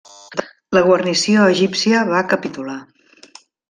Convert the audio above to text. La guarnició egípcia va capitular.